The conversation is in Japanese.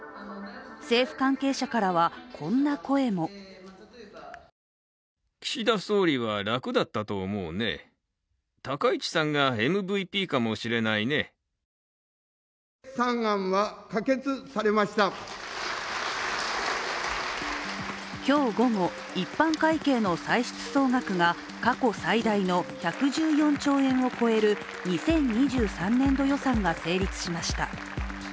政府関係者からは、こんな声も今日午後、一般会計の歳出総額が過去最大の１１４兆円を超える２０２３年度予算が成立しました。